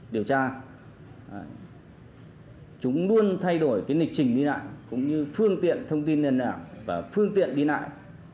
điều tra chúng luôn thay đổi cái lịch trình đi lại cũng như phương tiện thông tin nền tảng và phương tiện đi lại